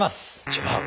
違う。